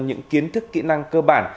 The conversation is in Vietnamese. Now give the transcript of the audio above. những kiến thức kỹ năng cơ bản